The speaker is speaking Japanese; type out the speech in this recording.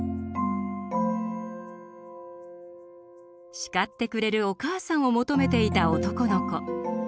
叱ってくれるおかあさんを求めていた男の子。